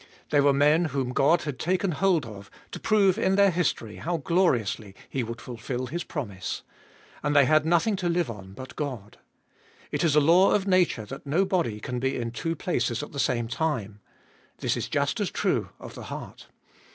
They were men whom God had taken hold of, to prove in their history how gloriously He would fulfil His promise. And they had nothing to live on but God. It is a law of nature that no body can be in two places at the same time. This is just as true of the heart.